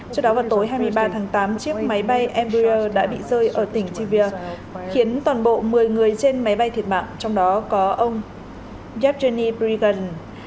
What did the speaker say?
trước đó vào tối hai mươi ba tháng tám chiếc máy bay embuler đã bị rơi ở tỉnh tivia khiến toàn bộ một mươi người trên máy bay thiệt mạng trong đó có ông yevgeny pregan